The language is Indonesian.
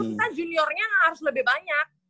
seharusnya menurut kita juniornya harus lebih banyak